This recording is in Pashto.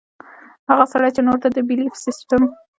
هغه سړے چې نورو ته د بيليف سسټم